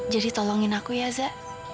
jadi tolongin aku ya za